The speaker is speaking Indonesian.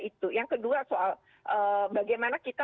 itu yang kedua soal bagaimana kita